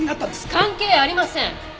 関係ありません！